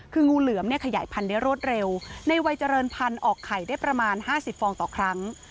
คืองูเหลือมเนี่ยขยายพันธุ์ได้รวดเร็วในวัยเจริญพันธุ์ออกไข่ได้ประมาณ๕๐ฟองต่อครั้ง